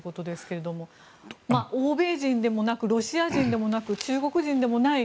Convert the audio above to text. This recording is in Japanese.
欧米人でもなくロシア人でもなく中国人でもない